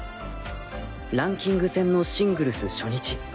ランキング戦のシングルス初日。